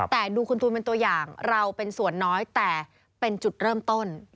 แต่ดูคุณตูนเป็นตัวอย่างเราเป็นส่วนน้อยแต่เป็นจุดเริ่มต้น